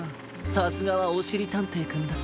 さすがはおしりたんていくんだ！